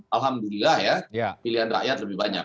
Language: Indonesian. alhamdulillah ya pilihan rakyat lebih banyak